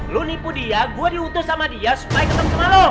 lu nipu dia gua diutus sama dia supaya ketemu sama lu